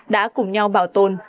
đã cùng nhau bảo tồn